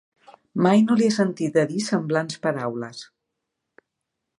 Mai no li he sentit a dir semblants paraules.